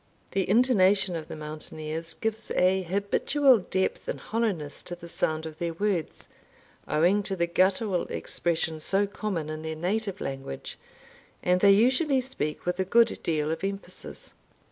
The intonation of the mountaineers gives a habitual depth and hollowness to the sound of their words, owing to the guttural expression so common in their native language, and they usually speak with a good deal of emphasis.